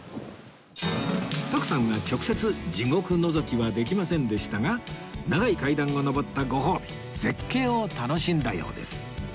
徳さんは直接地獄のぞきはできませんでしたが長い階段を上ったご褒美絶景を楽しんだようです